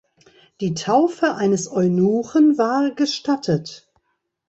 Die Taufe eines Eunuchen war gestattet.